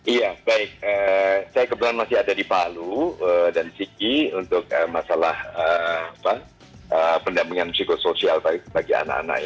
iya baik saya kebetulan masih ada di palu dan siki untuk masalah pendampingan psikosoial bagi anak anak